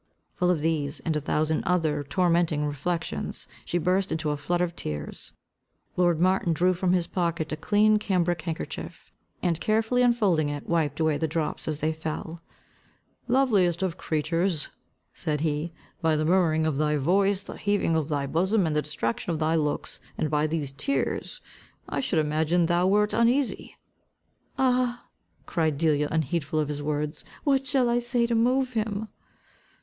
Full of these, and a thousand other tormenting reflections, she burst into a flood of tears. Lord Martin drew from his pocket a clean cambric handkerchief, and, carefully unfolding it, wiped away the drops as they fell. "Loveliest of creatures," said he, "by the murmuring of thy voice, the heaving of thy bosom, the distraction of thy looks, and by these tears, I should imagine thou wert uneasy." "Ah," cried Delia unheedful of his words, "what shall I say to move him?"